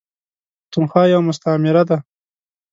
پښتونخوا یوه مستعمیره ده .